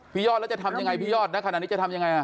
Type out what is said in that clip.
พี่ยอดแล้วจะทำยังไงพี่ยอดณขณะนี้จะทำยังไงอ่ะ